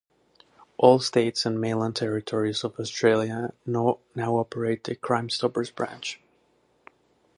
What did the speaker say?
All states and mainland territories of Australia now operate a Crime Stoppers branch.